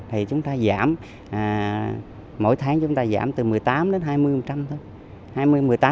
thì chúng ta giảm mỗi tháng chúng ta giảm từ một mươi tám đến hai mươi thôi